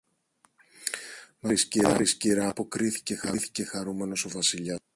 Να το πάρεις, Κυρά μου, αποκρίθηκε χαρούμενος ο Βασιλιάς.